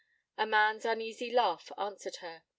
A man's uneasy laugh answered her.